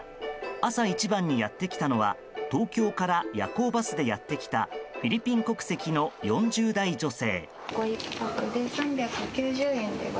朝一番にやってきたのは東京から夜行バスでやってきたフィリピン国籍の４０代女性。